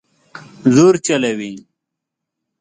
زور چلوي